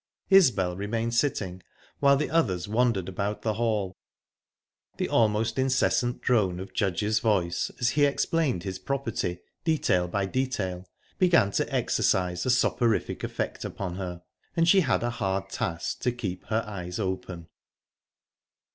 Isbel remained sitting while the others wandered about the hall. The almost incessant drone of Judge's voice, as he explained his property, detail by detail, began to exercise a soporific effect upon her, and she had a hard task to keep her eyes open...